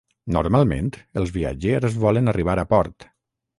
Normalment els viatgers volen arribar a port.